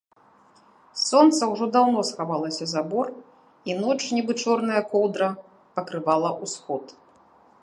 Сонца ўжо даўно схавалася за бор, i ноч, нiбы чорная коўдра, пакрывала ўсход.